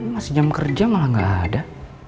masih jam kerja malah nggak ada